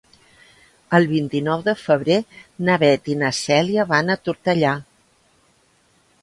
El vint-i-nou de febrer na Beth i na Cèlia van a Tortellà.